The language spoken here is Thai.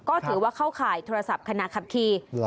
ก็ถือว่าเข้าข่ายโทรศัพท์ขณะขับขี่